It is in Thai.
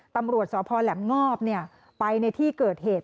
ตำรวจสพแหลมงอบไปในที่เกิดเหตุ